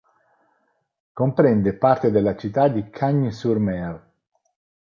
Comprende parte della città di Cagnes-sur-Mer.